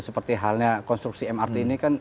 seperti halnya konstruksi mrt ini kan